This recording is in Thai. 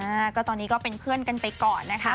อ่าก็ตอนนี้ก็เป็นเพื่อนกันไปก่อนนะคะ